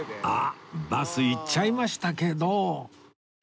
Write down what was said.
あっバス行っちゃいましたけど